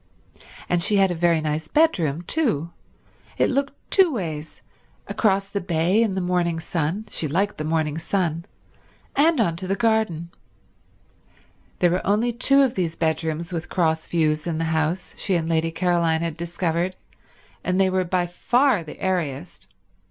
And she had a very nice bedroom, too; it looked two ways, across the bay in the morning sun—she liked the morning sun—and onto the garden. There were only two of these bedrooms with cross views in the house, she and Lady Caroline had discovered, and they were by far the airiest.